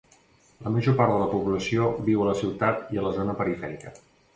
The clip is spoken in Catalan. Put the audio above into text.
La major part de la població viu a la ciutat i a la zona perifèrica.